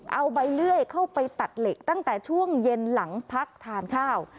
เอาใบเลื่อยเข้าไปตัดเหล็กตั้งแต่ช่วงเย็นหลังพักทานข้าว